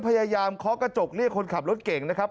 เคาะกระจกเรียกคนขับรถเก่งนะครับ